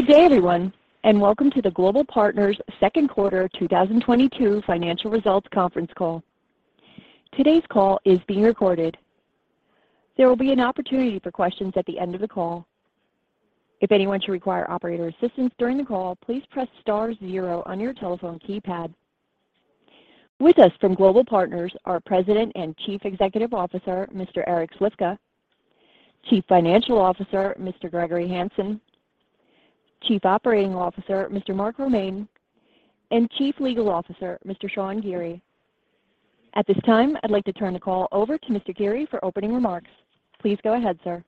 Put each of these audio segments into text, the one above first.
Good day, everyone, and welcome to the Global Partners Second Quarter 2022 Financial Results Conference Call. Today's call is being recorded. There will be an opportunity for questions at the end of the call. If anyone should require operator assistance during the call, please press star zero on your telephone keypad. With us from Global Partners are President and Chief Executive Officer, Mr. Eric Slifka; Chief Financial Officer, Mr. Gregory Hanson; Chief Operating Officer, Mr. Mark Romaine; and Chief Legal Officer, Mr. Sean Geary. At this time, I'd like to turn the call over to Mr. Geary for opening remarks. Please go ahead, sir.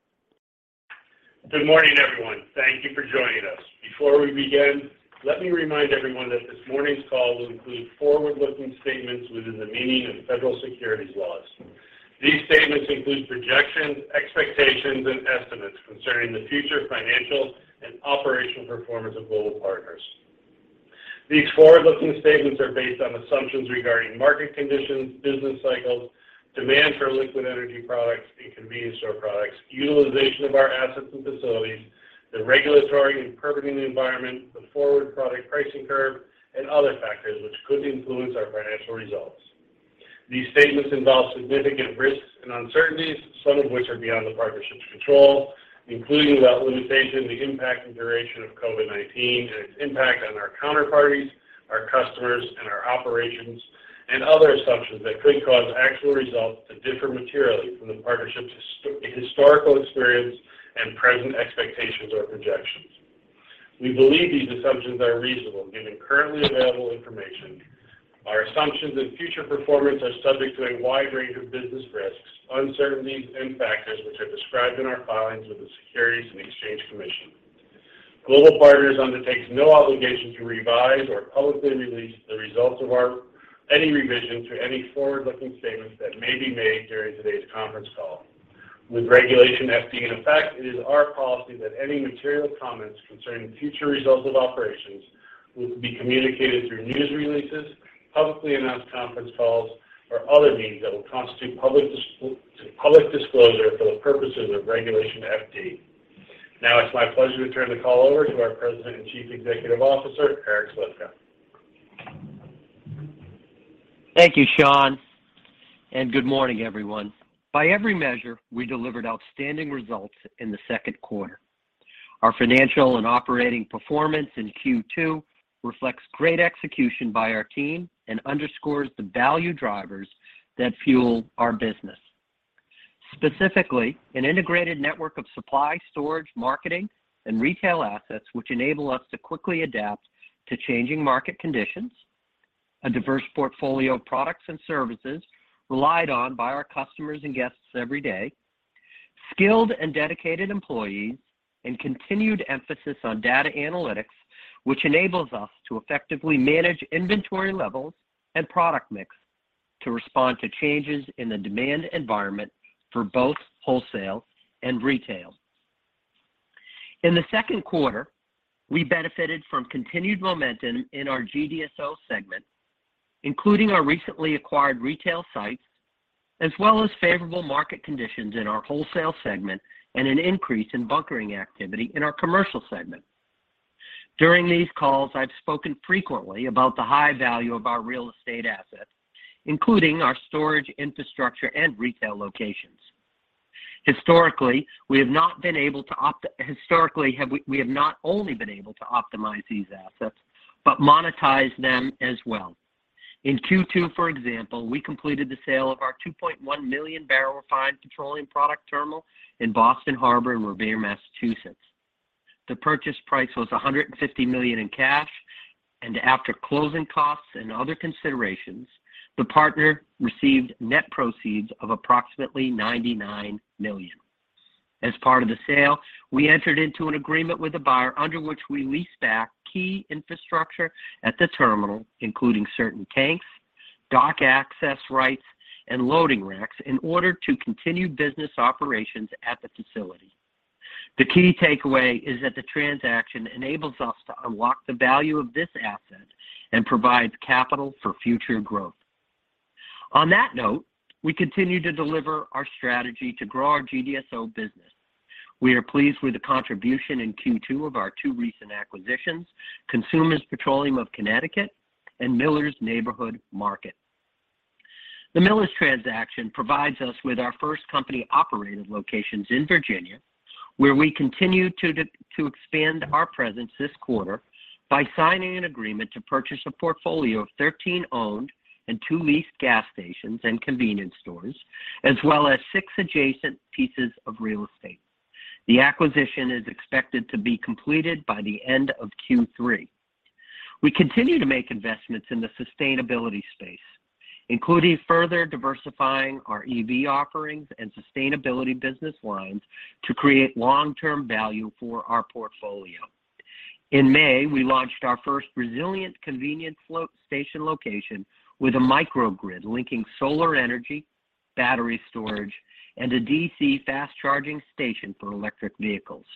Good morning, everyone. Thank you for joining us. Before we begin, let me remind everyone that this morning's call will include forward-looking statements within the meaning of federal securities laws. These statements include projections, expectations, and estimates concerning the future financial and operational performance of Global Partners. These forward-looking statements are based on assumptions regarding market conditions, business cycles, demand for liquid energy products and convenience store products, utilization of our assets and facilities, the regulatory and permitting environment, the forward product pricing curve, and other factors which could influence our financial results. These statements involve significant risks and uncertainties, some of which are beyond the partnership's control, including without limitation, the impact and duration of COVID-19 and its impact on our counterparties, our customers, and our operations, and other assumptions that could cause actual results to differ materially from the partnership's historical experience and present expectations or projections. We believe these assumptions are reasonable given currently available information. Our assumptions and future performance are subject to a wide range of business risks, uncertainties, and factors which are described in our filings with the Securities and Exchange Commission. Global Partners undertakes no obligation to revise or publicly release the results of any revision to any forward-looking statements that may be made during today's conference call. With Regulation FD in effect, it is our policy that any material comments concerning future results of operations will be communicated through news releases, publicly announced conference calls, or other means that will constitute public disclosure for the purposes of Regulation FD. Now it's my pleasure to turn the call over to our President and Chief Executive Officer, Eric Slifka. Thank you, Sean, and good morning, everyone. By every measure, we delivered outstanding results in the second quarter. Our financial and operating performance in Q2 reflects great execution by our team and underscores the value drivers that fuel our business. Specifically, an integrated network of supply, storage, marketing, and retail assets which enable us to quickly adapt to changing market conditions, a diverse portfolio of products and services relied on by our customers and guests every day, skilled and dedicated employees, and continued emphasis on data analytics, which enables us to effectively manage inventory levels and product mix to respond to changes in the demand environment for both wholesale and retail. In the second quarter, we benefited from continued momentum in our GDSO segment, including our recently acquired retail sites, as well as favorable market conditions in our wholesale segment and an increase in bunkering activity in our commercial segment. During these calls, I've spoken frequently about the high value of our real estate assets, including our storage infrastructure and retail locations. Historically, we have not only been able to optimize these assets but monetize them as well. In Q2, for example, we completed the sale of our 2.1 million barrel refined petroleum product terminal in Boston Harbor in Revere, Massachusetts. The purchase price was $150 million in cash, and after closing costs and other considerations, the partner received net proceeds of approximately $99 million. As part of the sale, we entered into an agreement with the buyer under which we lease back key infrastructure at the terminal, including certain tanks, dock access rights, and loading racks in order to continue business operations at the facility. The key takeaway is that the transaction enables us to unlock the value of this asset and provides capital for future growth. On that note, we continue to deliver our strategy to grow our GDSO business. We are pleased with the contribution in Q2 of our two recent acquisitions, Consumers Petroleum of Connecticut and Miller's Neighborhood Market. The Miller's transaction provides us with our first company-operated locations in Virginia, where we continue to expand our presence this quarter by signing an agreement to purchase a portfolio of 13 owned and two leased gas stations and convenience stores, as well as six adjacent pieces of real estate. The acquisition is expected to be completed by the end of Q3. We continue to make investments in the sustainability space, including further diversifying our EV offerings and sustainability business lines to create long-term value for our portfolio. In May, we launched our first resilient convenience fueling station location with a microgrid linking solar energy, battery storage, and a DC fast-charging station for electric vehicles.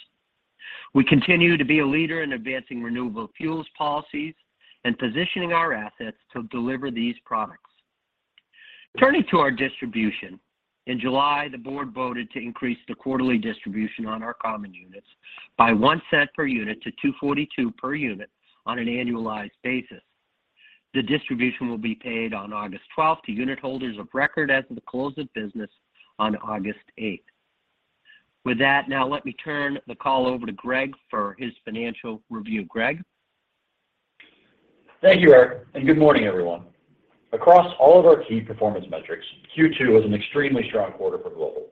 We continue to be a leader in advancing renewable fuels policies and positioning our assets to deliver these products. Turning to our distribution, in July, the board voted to increase the quarterly distribution on our common units by $0.01 per unit to $0.242 per unit on an annualized basis. The distribution will be paid on August 12th to unitholders of record as of the close of business on August 8. With that, now let me turn the call over to Greg for his financial review. Greg? Thank you, Eric, and good morning, everyone. Across all of our key performance metrics, Q2 was an extremely strong quarter for Global.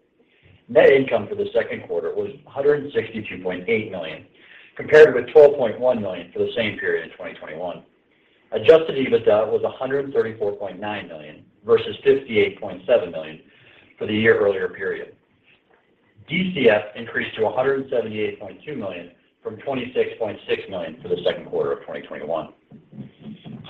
Net income for the second quarter was $162.8 million, compared with $12.1 million for the same period in 2021. Adjusted EBITDA was $134.9 million versus $58.7 million for the year earlier period. DCF increased to $178.2 million from $26.6 million for the second quarter of 2021.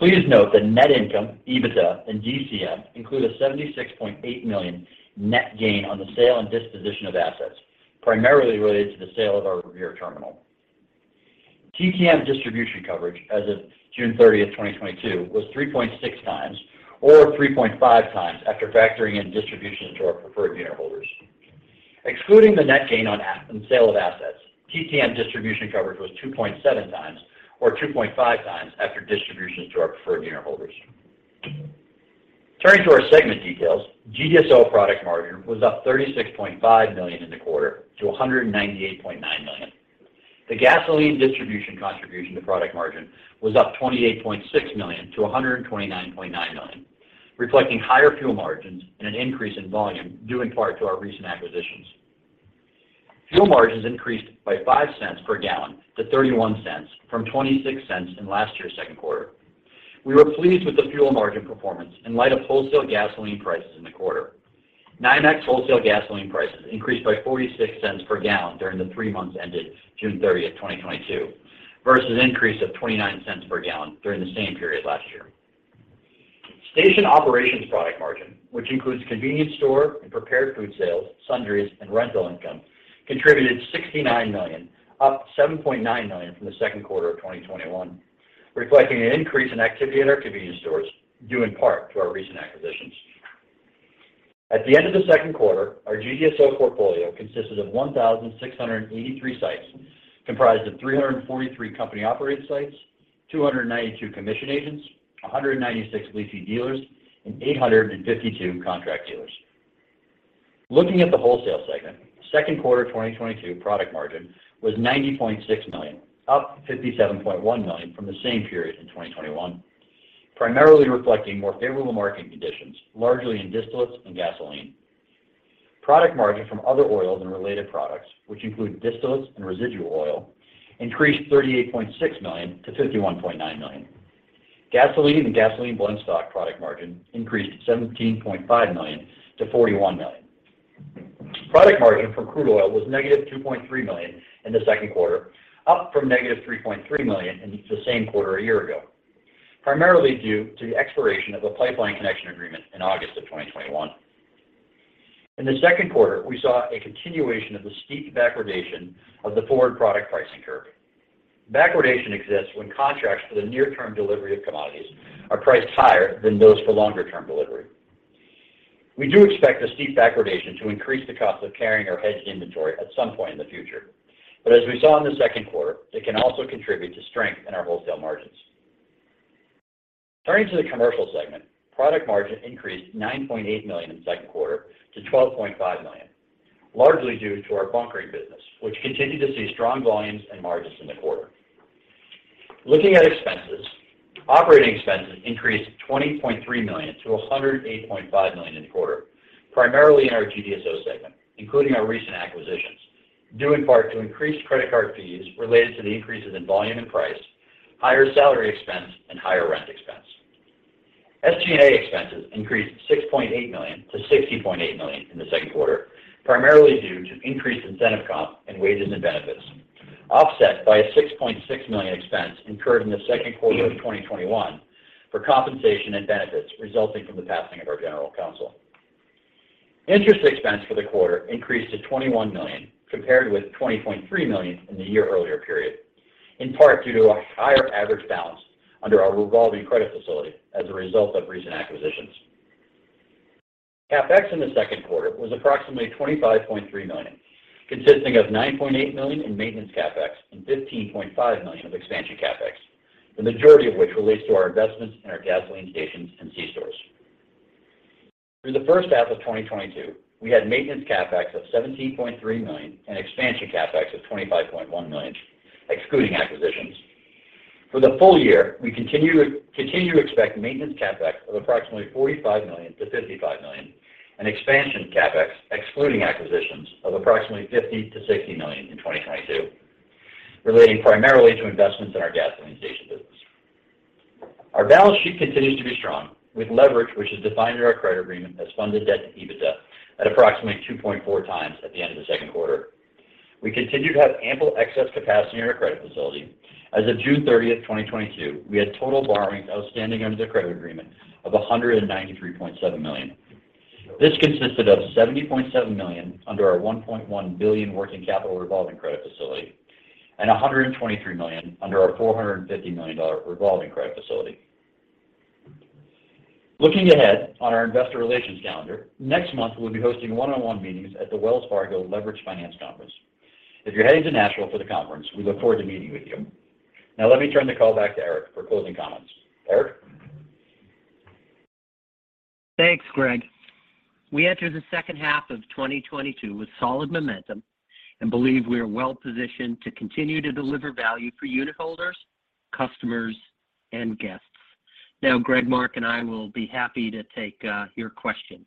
Please note that net income, EBITDA and DCF include a $76.8 million net gain on the sale and disposition of assets, primarily related to the sale of our Revere terminal. TTM distribution coverage as of June 30, 2022 was 3.6x or 3.5x after factoring in distributions to our preferred unitholders. Excluding the net gain on sale of assets, TTM distribution coverage was 2.7x or 2.5x after distributions to our preferred unitholders. Turning to our segment details, GDSO product margin was up $36.5 million in the quarter to $198.9 million. The gasoline distribution contribution to product margin was up $28.6 million to $129.9 million, reflecting higher fuel margins and an increase in volume due in part to our recent acquisitions. Fuel margins increased by $0.05 per gallon to $0.31 from $0.26 in last year's second quarter. We were pleased with the fuel margin performance in light of wholesale gasoline prices in the quarter. NYMEX wholesale gasoline prices increased by $0.46 per gallon during the three months ended June 30, 2022 versus an increase of $0.29 per gallon during the same period last year. Station operations product margin, which includes convenience store and prepared food sales, sundries, and rental income, contributed $69 million, up $7.9 million from the second quarter of 2021, reflecting an increase in activity at our convenience stores due in part to our recent acquisitions. At the end of the second quarter, our GDSO portfolio consisted of 1,683 sites, comprised of 343 company-operated sites, 292 commission agents, 196 lessee dealers, and 852 contract dealers. Looking at the wholesale segment, second quarter 2022 product margin was $90.6 million, up $57.1 million from the same period in 2021, primarily reflecting more favorable market conditions, largely in distillates and gasoline. Product margin from other oils and related products, which include distillates and residual oil, increased $38.6 million to $51.9 million. Gasoline and gasoline blend stock product margin increased $17.5 million to $41 million. Product margin from crude oil was -$2.3 million in the second quarter, up from -$3.3 million in the same quarter a year ago, primarily due to the expiration of a pipeline connection agreement in August 2021. In the second quarter, we saw a continuation of the steep backwardation of the forward product pricing curve. Backwardation exists when contracts for the near-term delivery of commodities are priced higher than those for longer-term delivery. We do expect the steep backwardation to increase the cost of carrying our hedged inventory at some point in the future. As we saw in the second quarter, it can also contribute to strength in our wholesale margins. Turning to the commercial segment, product margin increased $9.8 million in the second quarter to $12.5 million, largely due to our bunkering business, which continued to see strong volumes and margins in the quarter. Looking at expenses, operating expenses increased $20.3 million to $108.5 million in the quarter, primarily in our GDSO segment, including our recent acquisitions, due in part to increased credit card fees related to the increases in volume and price, higher salary expense, and higher rent expense. SG&A expenses increased $6.8 million to $60.8 million in the second quarter, primarily due to increased incentive comp and wages and benefits, offset by a $6.6 million expense incurred in the second quarter of 2021 for compensation and benefits resulting from the passing of our general counsel. Interest expense for the quarter increased to $21 million, compared with $20.3 million in the year earlier period, in part due to a higher average balance under our revolving credit facility as a result of recent acquisitions. CapEx in the second quarter was approximately $25.3 million, consisting of $9.8 million in maintenance CapEx and $15.5 million of expansion CapEx, the majority of which relates to our investments in our gasoline stations and C stores. Through the first half of 2022, we had maintenance CapEx of $17.3 million and expansion CapEx of $25.1 million, excluding acquisitions. For the full year, we continue to expect maintenance CapEx of approximately $45 million-$55 million and expansion CapEx, excluding acquisitions, of approximately $50 million-$60 million in 2022, relating primarily to investments in our gasoline station business. Our balance sheet continues to be strong with leverage, which is defined in our credit agreement as funded debt to EBITDA at approximately 2.4x at the end of the second quarter. We continue to have ample excess capacity in our credit facility. As of June 30th, 2022, we had total borrowings outstanding under the credit agreement of $193.7 million. This consisted of $70.7 million under our $1.1 billion working capital revolving credit facility. $123 million under our $450 million revolving credit facility. Looking ahead on our investor relations calendar, next month we'll be hosting one-on-one meetings at the Wells Fargo Leveraged Finance Conference. If you're heading to Nashville for the conference, we look forward to meeting with you. Now let me turn the call back to Eric for closing comments. Eric? Thanks, Greg. We enter the second half of 2022 with solid momentum and believe we are well-positioned to continue to deliver value for unitholders, customers, and guests. Now, Greg, Mark, and I will be happy to take your questions.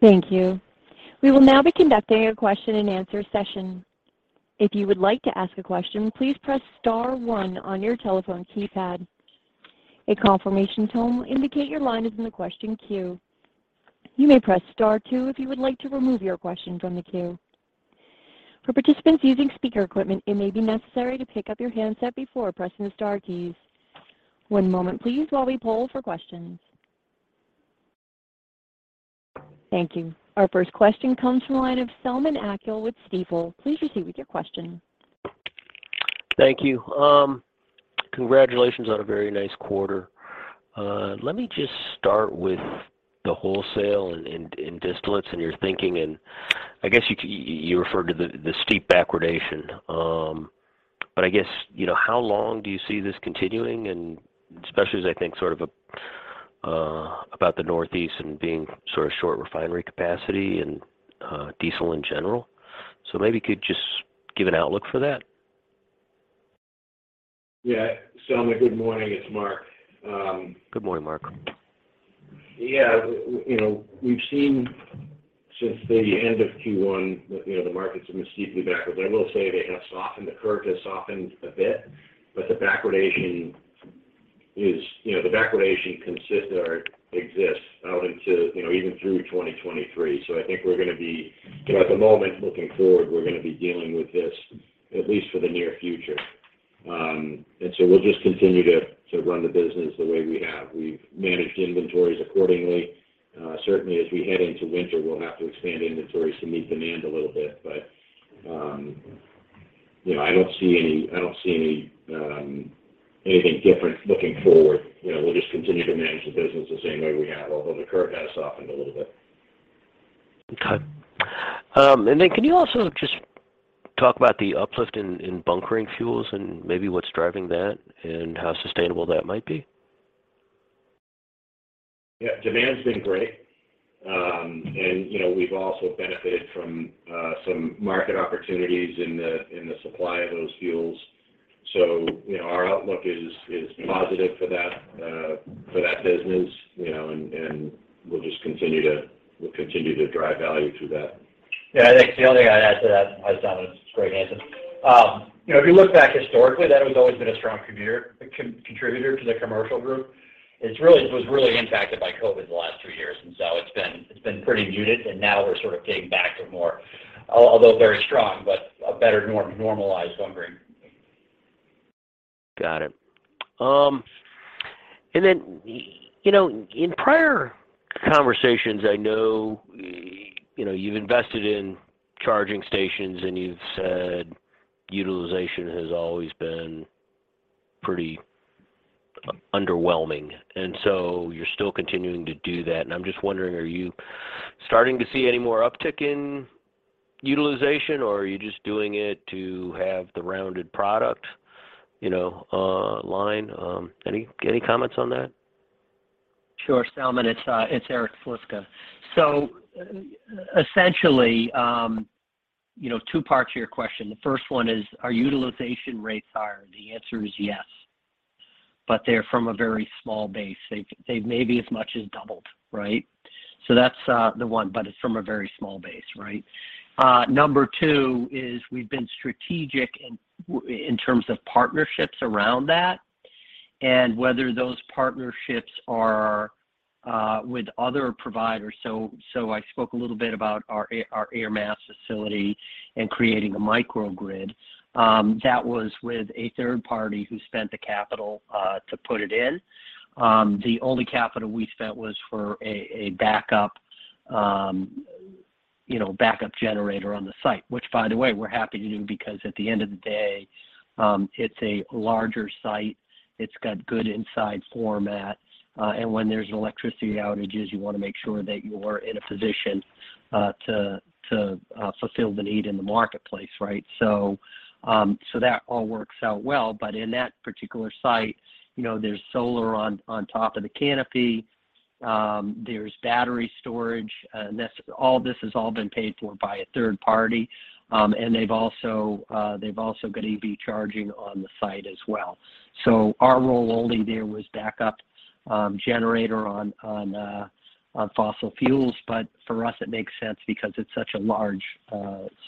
Thank you. We will now be conducting a question and answer session. If you would like to ask a question, please press star one on your telephone keypad. A confirmation tone will indicate your line is in the question queue. You may press star two if you would like to remove your question from the queue. For participants using speaker equipment, it may be necessary to pick up your handset before pressing the star keys. One moment please while we poll for questions. Thank you. Our first question comes from the line of Selman Akyol with Stifel. Please proceed with your question. Thank you. Congratulations on a very nice quarter. Let me just start with the wholesale and distillates and your thinking, and I guess you referred to the steep backwardation. But I guess, you know, how long do you see this continuing, and especially as I think sort of about the Northeast and being sort of short refinery capacity and diesel in general? Maybe you could just give an outlook for that. Yeah. Selman, good morning. It's Mark. Good morning, Mark. Yeah. You know, we've seen since the end of Q1 that, you know, the markets have been steeply backward. I will say they have softened. The curve has softened a bit, but the backwardation is. You know, the backwardation exists out into, you know, even through 2023. I think we're gonna be. You know, at the moment looking forward, we're gonna be dealing with this at least for the near future. We'll just continue to run the business the way we have. We've managed inventories accordingly. Certainly as we head into winter, we'll have to expand inventories to meet demand a little bit. You know, I don't see any anything different looking forward. You know, we'll just continue to manage the business the same way we have, although the curve has softened a little bit. Okay. Can you also just talk about the uplift in bunkering fuels and maybe what's driving that and how sustainable that might be? Yeah. Demand's been great. You know, we've also benefited from some market opportunities in the supply of those fuels. You know, our outlook is positive for that business. You know, and we'll continue to drive value through that. Yeah, I think the only thing I'd add to that, Selman, it's a great answer. You know, if you look back historically, that has always been a strong contributor to the commercial group. It was really impacted by COVID the last two years, and so it's been pretty muted, and now we're sort of getting back to more, although very strong, but a better normalized bunkering. Got it. You know, in prior conversations, I know, you know, you've invested in charging stations and you've said utilization has always been pretty underwhelming. You're still continuing to do that, and I'm just wondering, are you starting to see any more uptick in utilization or are you just doing it to have the rounded product, you know, line, any comments on that? Sure, Selman. It's Eric Slifka. So essentially, you know, two parts to your question. The first one is, are utilization rates higher? The answer is yes. They're from a very small base. They've maybe as much as doubled, right? So that's the one, but it's from a very small base, right? Number two is we've been strategic in terms of partnerships around that and whether those partnerships are with other providers. So I spoke a little bit about our Ayer, Mass facility and creating a microgrid that was with a third party who spent the capital to put it in. The only capital we spent was for a backup, you know, backup generator on the site, which by the way, we're happy to do because at the end of the day, it's a larger site, it's got good inside format, and when there's electricity outages, you wanna make sure that you're in a position to fulfill the need in the marketplace, right? That all works out well. In that particular site, you know, there's solar on top of the canopy, there's battery storage, and that's all this has all been paid for by a third party. They've also got EV charging on the site as well. Our role there was only backup generator on fossil fuels, but for us it makes sense because it's such a large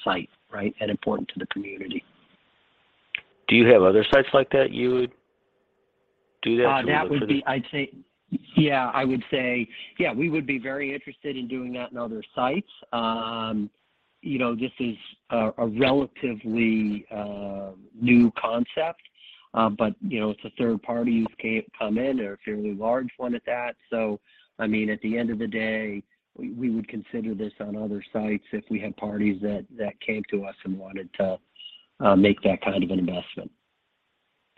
site, right, and important to the community. Do you have other sites like that you would do that for the? I would say, yeah, we would be very interested in doing that in other sites. You know, this is a relatively New concept, but, you know, it's a third party who's come in, a fairly large one at that. I mean, at the end of the day, we would consider this on other sites if we had parties that came to us and wanted to make that kind of an investment.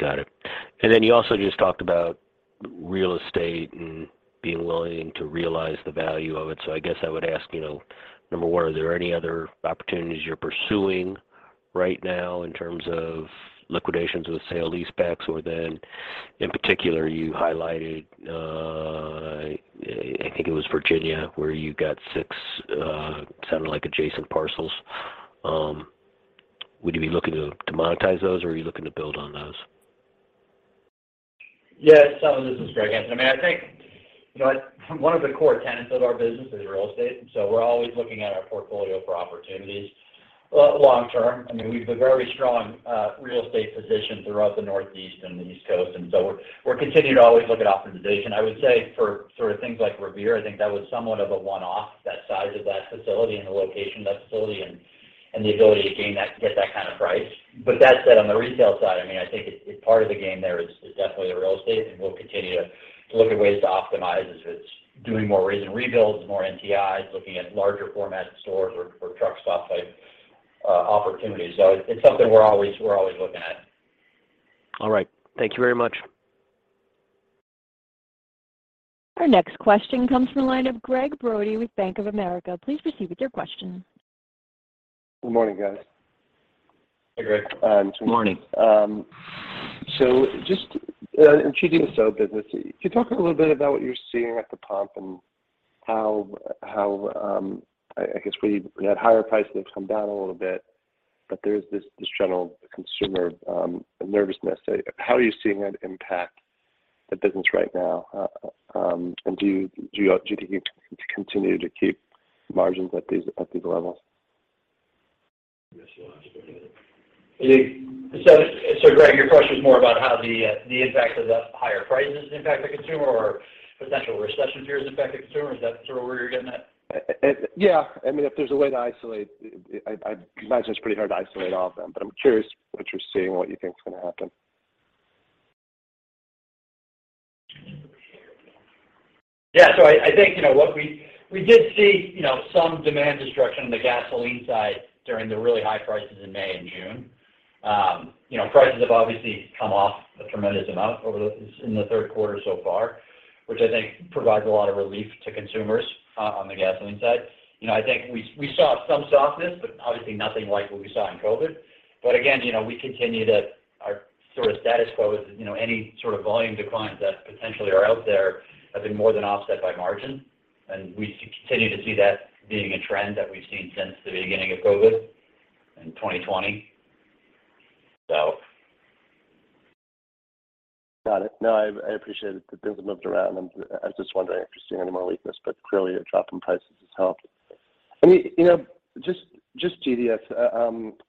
Got it. Then you also just talked about real estate and being willing to realize the value of it. I guess I would ask, you know, number one, are there any other opportunities you're pursuing right now in terms of liquidations with sale-leasebacks? In particular, you highlighted, I think it was Virginia, where you got 6, sounded like adjacent parcels. Would you be looking to monetize those or are you looking to build on those? Yeah. This is Gregory Hanson. I mean, I think, you know, one of the core tenets of our business is real estate, and so we're always looking at our portfolio for opportunities. Long term, I mean, we have a very strong real estate position throughout the Northeast and the East Coast, and so we're continuing to always look at optimization. I would say for sort of things like Revere, I think that was somewhat of a one-off, that size of that facility and the location of that facility and the ability to gain that, to get that kind of price. That said, on the retail side, I mean, I think it's part of the game there is definitely the real estate, and we'll continue to look at ways to optimize as it's doing more raze & rebuilds, more NTI, looking at larger format stores or truck stop type opportunities. It's something we're always looking at. All right. Thank you very much. Our next question comes from the line of Gregg Brody with Bank of America. Please proceed with your question. Good morning, guys. Hey, Greg. Good morning. Just regarding the C-store business, can you talk a little bit about what you're seeing at the pump and how, I guess we had higher prices that have come down a little bit, but there is this general consumer nervousness. How are you seeing that impact the business right now? Do you think you can continue to keep margins at these levels? Greg, your question is more about how the impact of the higher prices impact the consumer or potential recession fears affect the consumer? Is that sort of where you're getting at? Yeah. I mean, if there's a way to isolate, I imagine it's pretty hard to isolate all of them, but I'm curious what you're seeing, what you think is gonna happen. Yeah. I think, you know, we did see, you know, some demand destruction on the gasoline side during the really high prices in May and June. You know, prices have obviously come off a tremendous amount in the third quarter so far, which I think provides a lot of relief to consumers on the gasoline side. You know, I think we saw some softness, but obviously nothing like what we saw in COVID. Again, you know, our sort of status quo is, you know, any sort of volume declines that potentially are out there have been more than offset by margin, and we continue to see that being a trend that we've seen since the beginning of COVID in 2020. Got it. No, I appreciate it. The business moved around, and I was just wondering if you're seeing any more weakness, but clearly a drop in prices has helped. I mean, you know, just GDS,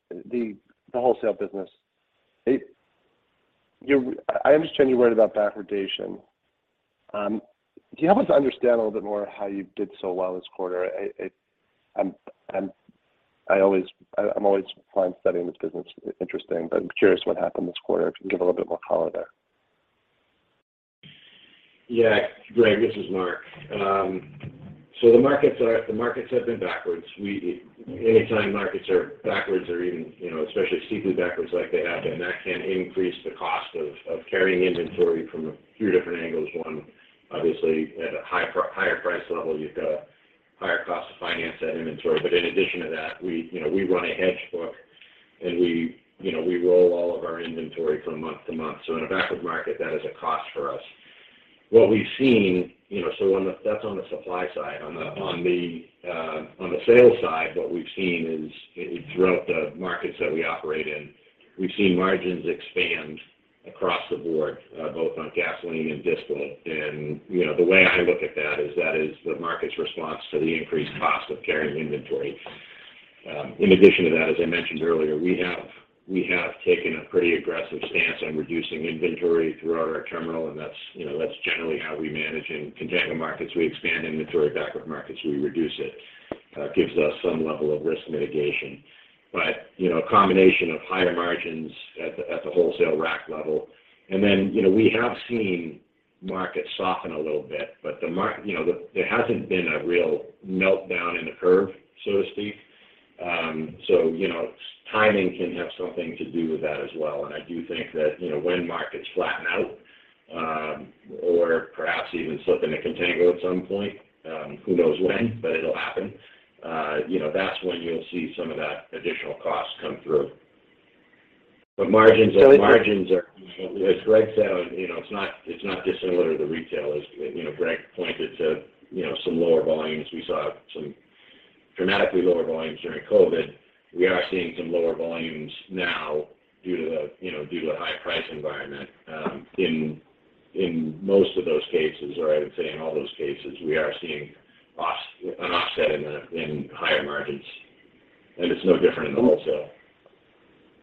the wholesale business. You're worried about backwardation. Can you help us understand a little bit more how you did so well this quarter? I'm always finding studying this business interesting, but I'm curious what happened this quarter. If you can give a little bit more color there. Yeah. Greg, this is Mark. The markets have been backwards. Anytime markets are backwards or even, you know, especially steeply backwards like they have been, that can increase the cost of carrying inventory from a few different angles. One, obviously at higher price level, you've got higher cost to finance that inventory. In addition to that, you know, we run a hedge book, and you know, we roll all of our inventory from month to month. In a backward market, that is a cost for us. What we've seen, you know, that's on the supply side. On the sales side, what we've seen is throughout the markets that we operate in, we've seen margins expand across the board, both on gasoline and distillate. You know, the way I look at that is that is the market's response to the increased cost of carrying inventory. In addition to that, as I mentioned earlier, we have taken a pretty aggressive stance on reducing inventory throughout our terminal, and that's you know, that's generally how we manage. In contango markets, we expand inventory. Backwardation markets, we reduce it. It gives us some level of risk mitigation. You know, a combination of higher margins at the wholesale rack level and then you know, we have seen markets soften a little bit, but you know, there hasn't been a real meltdown in the curve, so to speak. You know, timing can have something to do with that as well. I do think that, you know, when markets flatten out, or perhaps even slip into contango at some point, who knows when, but it'll happen, you know, that's when you'll see some of that additional cost come through. Margins are. As Greg said, you know, it's not dissimilar to retail. As, you know, Greg pointed to, you know, some lower volumes. We saw some dramatically lower volumes during COVID. We are seeing some lower volumes now due to the high price environment. In most of those cases, or I would say in all those cases, we are seeing an offset in higher margins, and it's no different in the wholesale.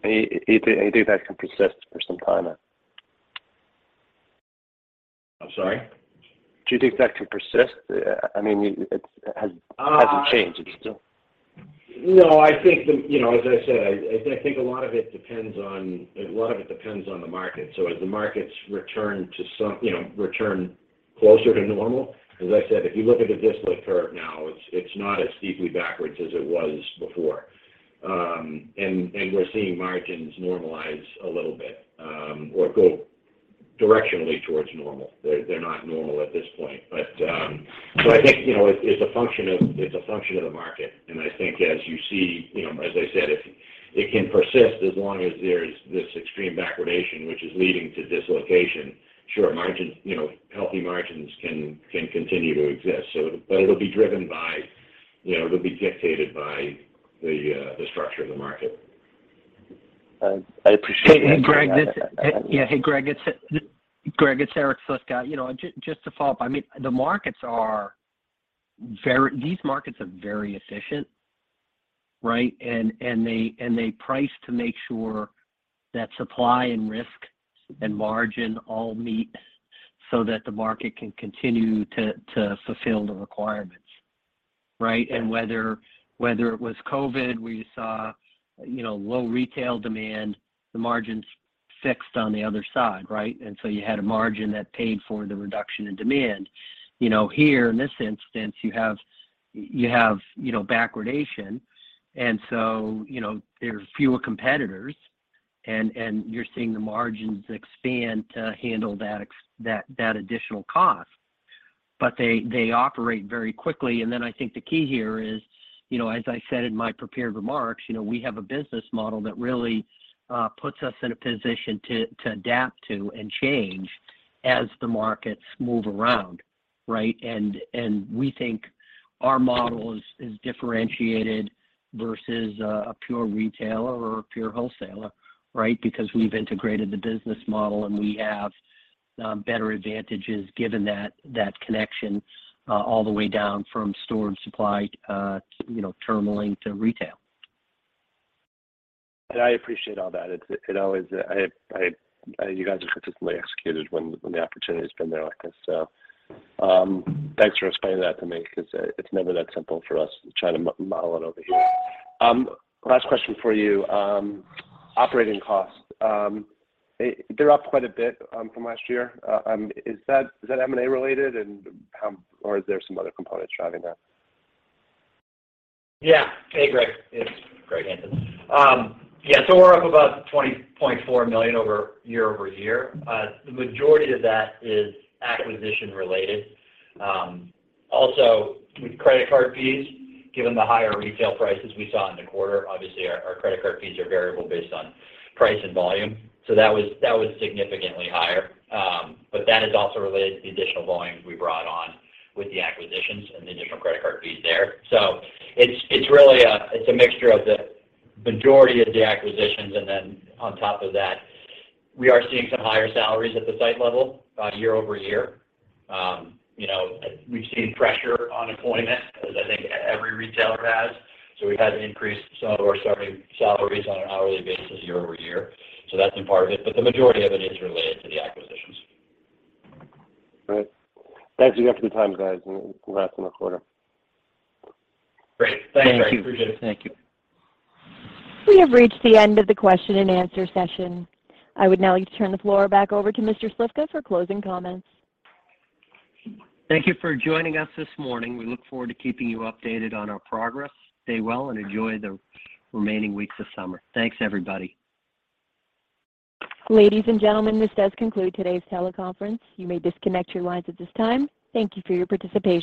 You think that can persist for some time then? Sorry? Do you think that can persist? I mean, it hasn't changed. It's still. No, I think you know, as I said, I think a lot of it depends on the market. As the markets return closer to normal. As I said, if you look at the discount curve now, it's not as deeply backwardated as it was before. We're seeing margins normalize a little bit, or go directionally towards normal. They're not normal at this point. I think you know, it's a function of the market. I think as you see, you know, as I said, it can persist as long as there is this extreme backwardation which is leading to dislocation. Sure, margins you know, healthy margins can continue to exist. It'll be driven by, you know, it'll be dictated by the structure of the market. I appreciate that. Hey Greg, it's Eric Slifka. You know, just to follow up. I mean, these markets are very efficient, right? They price to make sure that supply and risk and margin all meet so that the market can continue to fulfill the requirements, right? Whether it was COVID, where you saw, you know, low retail demand, the margins fixed on the other side, right? You had a margin that paid for the reduction in demand. You know, here in this instance, you have backwardation. You know, there are fewer competitors and you're seeing the margins expand to handle that additional cost. They operate very quickly. I think the key here is, you know, as I said in my prepared remarks, you know, we have a business model that really puts us in a position to adapt to and change as the markets move around, right? We think our model is differentiated versus a pure retailer or a pure wholesaler, right? Because we've integrated the business model, and we have better advantages given that connection all the way down from store and supply, you know, terminal link to retail. I appreciate all that. You guys have consistently executed when the opportunity's been there like this. Thanks for explaining that to me because it's never that simple for us trying to model it over here. Last question for you. Operating costs. They're up quite a bit from last year. Is that M&A related? Or is there some other components driving that? Yeah. Hey, Greg, it's Greg Hanson. We're up about $20.4 million year-over-year. The majority of that is acquisition-related. Also with credit card fees, given the higher retail prices we saw in the quarter, obviously our credit card fees are variable based on price and volume. That was significantly higher. That is also related to the additional volumes we brought on with the acquisitions and the different credit card fees there. It's really a mixture of the majority of the acquisitions. Then on top of that, we are seeing some higher salaries at the site level year-over-year. You know, we've seen pressure on employment as I think every retailer has. We've had to increase some of our starting salaries on an hourly basis year over year. That's been part of it, but the majority of it is related to the acquisitions. All right. Thanks again for the time, guys, and good luck on the quarter. Great. Thanks, Eric. Appreciate it. Thank you. Thank you. We have reached the end of the question and answer session. I would now like to turn the floor back over to Mr. Slifka for closing comments. Thank you for joining us this morning. We look forward to keeping you updated on our progress. Stay well and enjoy the remaining weeks of summer. Thanks, everybody. Ladies and gentlemen, this does conclude today's teleconference. You may disconnect your lines at this time. Thank you for your participation.